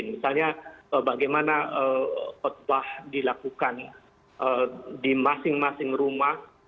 misalnya bagaimana khutbah dilakukan di masing masing rumah